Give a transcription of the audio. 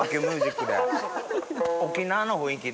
沖縄の雰囲気で。